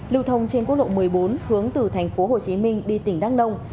lưu thông trên quốc lộ một mươi bốn hướng từ thành phố hồ chí minh đi tỉnh đăng đông